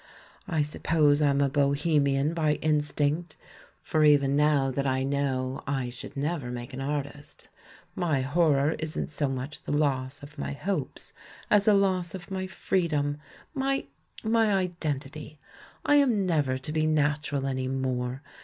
I suppose I'm a bohemian by THE MAN WHO UNDERSTOOD WOMEN 5 instinct, for even now that I know I should never make an artist, my horror isn't so much the loss of my hopes as the loss of my freedom, my — my identity; I am never to be natural any more.